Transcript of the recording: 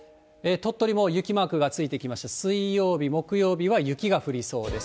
鳥取も雪マークがついてきまして、水曜日、木曜日は雪が降りそうです。